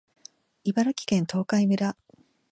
茨城県東海村